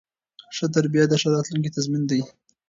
ښه تربیه د ښه راتلونکي تضمین دی.